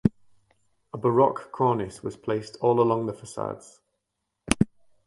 A Baroque cornice was placed all along the facades.